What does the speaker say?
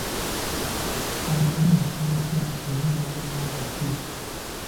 Ani yakyokya era gwali mwaka ki?